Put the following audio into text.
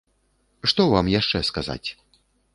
Што вам яшчэ сказаць?